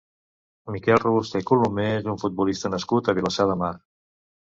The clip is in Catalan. Miquel Robusté Colomer és un futbolista nascut a Vilassar de Mar.